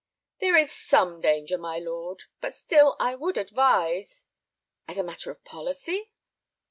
"There is some danger, my lord; but still I would advise—" "As a matter of policy?"